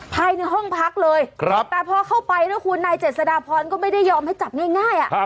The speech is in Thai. ภายในห้องพักเลยแต่พอเข้าไปนะคุณนายเจษฎาพรก็ไม่ได้ยอมให้จับง่าย